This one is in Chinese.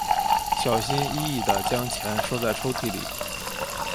小心翼翼地将钱收在抽屉里